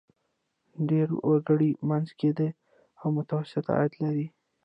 ډېری وګړي منځ کې دي او متوسط عاید لري.